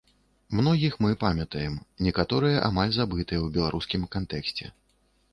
Многіх мы памятаем, некаторыя амаль забытыя ў беларускім кантэксце.